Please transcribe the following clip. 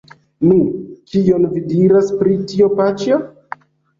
Nu! kion vi diras pri tio, paĉjo?